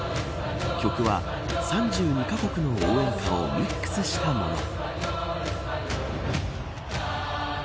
曲は、３２か国の応援歌をミックスしたもの。